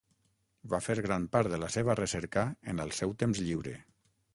Va fer gran part de la seva recerca en el seu temps lliure.